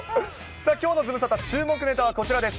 さあ、きょうのズムサタ、注目ネタはこちらです。